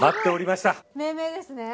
命名ですね。